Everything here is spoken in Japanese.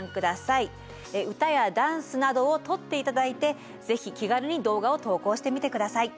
歌やダンスなどを撮って頂いてぜひ気軽に動画を投稿してみて下さい。